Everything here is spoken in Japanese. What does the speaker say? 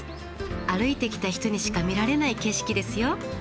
歩いてきた人にしか見られない景色ですよ。